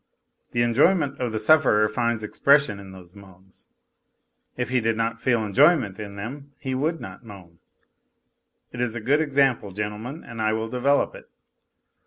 The enjoyment of the sufferer finds expression in those moans ; if he did not feel enjoy ment in them he would not moan. It is a good example, gentle men, and I will develop it.